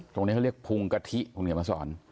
ตรงนี้เขาเรียกภูมิกะทิของเหนียมพสร